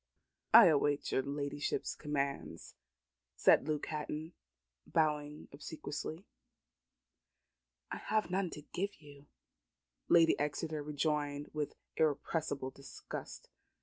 "I await your ladyship's commands," said Luke Hatton, bowing obsequiously. "I have none to give you," Lady Exeter rejoined with irrepressible disgust.